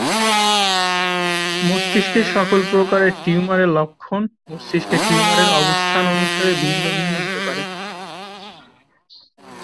মস্তিষ্কের সকল প্রকারের টিউমারের লক্ষণ মস্তিষ্কের টিউমারের অবস্থান অনুসারে ভিন্ন ভিন্ন হতে পারে।